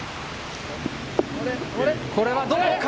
これはどうか？